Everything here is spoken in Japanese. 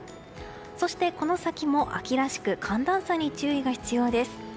そして、この先も秋らしく寒暖差に注意が必要です。